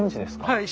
はい。